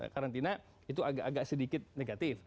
karantina itu agak sedikit negatif